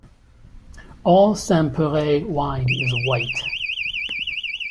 All Saint-Péray wine is white.